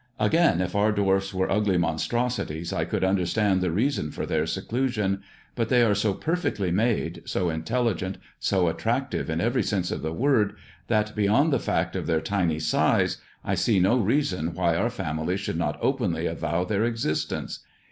Again, if our dwarfs were ugly monstrosities I could understand the reason of their seclusion ; but they are so perfectly made, so intelligent, so attractive in every sense of the word that, beyond the fact of their tiny size, I see no reason why our family should not openly avow their existence.